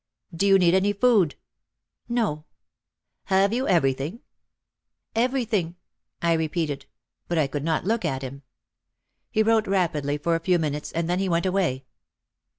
"Do you need any food?" "No " "Have you everything?" "Everything," I repeated, but I could not look at him. He wrote rapidly for a few minutes and then he went away.